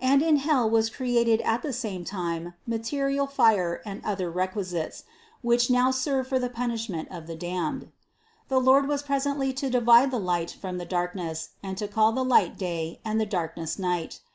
And in hell was created at the same time material fire and other requisites, which now serve for the punishment of the damned. The Lord was presently to divide the light from the darkness and to call the light day and the dark ness night.